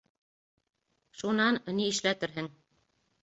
Шунан, ни эшләтерһең?